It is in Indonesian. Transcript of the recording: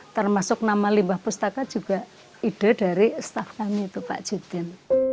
termasuk nama limbah pustaka juga ide dari staff kami itu pak judin